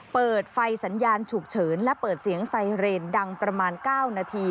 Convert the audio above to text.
เปิดไฟสัญญาณฉุกเฉินและเปิดเสียงไซเรนดังประมาณ๙นาที